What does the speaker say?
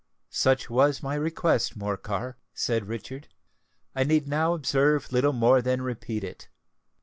"Such was my request, Morcar," said Richard. "I need now observe little more than repeat it.